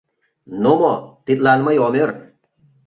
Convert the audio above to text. Ну мо, тидлан мый ом ӧр.